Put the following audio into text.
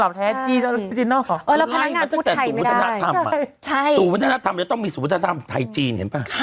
แม้ถ้าสู่บัตรธรรมจะต้องมีสู่บัตรธรรมไทยจีนเห็นปะ